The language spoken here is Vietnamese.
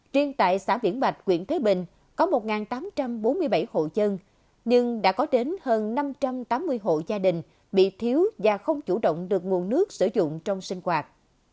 riêng tại xã viễn bạch quyện thế bình có một tám trăm bốn mươi bảy hộ chân nhưng đã có đến hơn năm trăm tám mươi hộ gia đình bị thiếu và không chủ động được nguồn nước sử dụng trong sinh hoạt